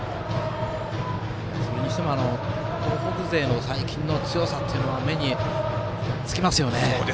それにしても東北勢の最近の強さは目に付きますよね。